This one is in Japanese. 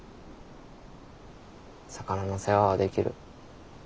魚の世話はできる。